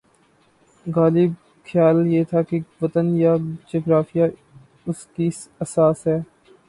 غالب خیال یہ تھا کہ وطن یا جغرافیہ اس کی اساس ہے۔